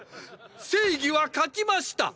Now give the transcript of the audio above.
正義は勝ちました！！